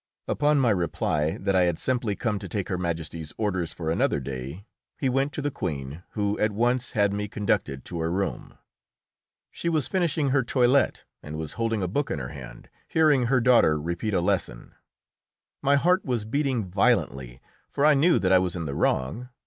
Upon my reply that I had simply come to take Her Majesty's orders for another day, he went to the Queen, who at once had me conducted to her room. She was finishing her toilet, and was holding a book in her hand, hearing her daughter repeat a lesson. My heart was beating violently, for I knew that I was in the wrong.